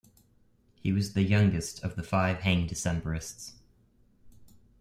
He was the youngest of the five hanged Decembrists.